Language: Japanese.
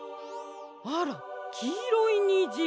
あらきいろいにじ。